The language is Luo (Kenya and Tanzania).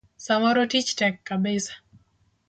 Samoro tich tek kabisa.